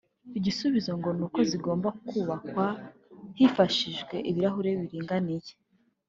Igisubizo ngo ni uko zigomba kubakwa hifashishijwe ibirahure biringaniye